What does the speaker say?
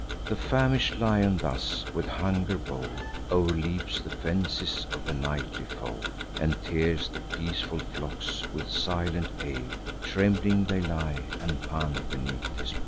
The famish'd lion thus, with hunger bold, O'erleaps the fences of the nightly fold, And tears the peaceful flocks: with silent awe Trembling they lie, and pant beneath his paw.